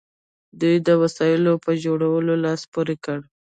دوی د وسایلو په جوړولو لاس پورې کړ.